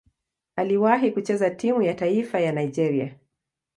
Aliwahi kucheza timu ya taifa ya Nigeria.